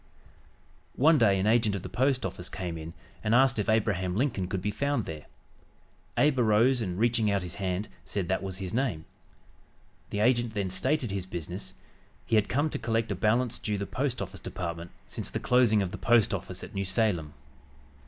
One day an agent of the Post Office Department came in and asked if Abraham Lincoln could be found there. Abe arose and, reaching out his hand, said that was his name. The agent then stated his business; he had come to collect a balance due the Post Office Department since the closing of the post office at New Salem.